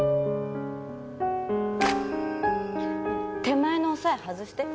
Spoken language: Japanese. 手前の押さえ外して。